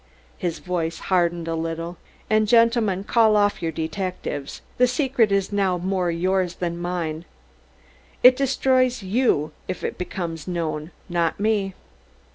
_" His voice hardened a little. "And, gentlemen, call off your detectives. The secret is now more yours than mine. It destroys you if it becomes known, not _me!